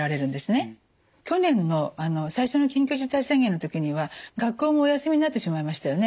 去年の最初の緊急事態宣言の時には学校もお休みになってしまいましたよね。